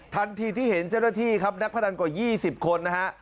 ทันทีที่เห็นเจ้าหน้าที่ครับนักพนันกว่า๒๐คนนะฮะ